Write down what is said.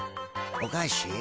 おかし？